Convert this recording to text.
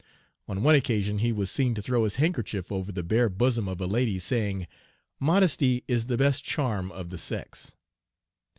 On one occasion, he was seen to throw his handkerchief over the bare bosom of a lady, saying, "Modesty is the best charm of the sex."